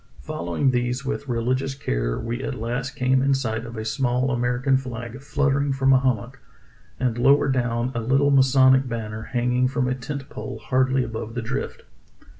Following these with religious care, we at last came in sight of a small Amer ican flag fluttering from a hummock, and lower down a little masonic banner hanging from a tent pole hardly above the drift.